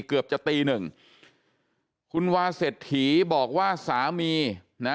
เกือบจะตีหนึ่งคุณวาเศรษฐีบอกว่าสามีนะ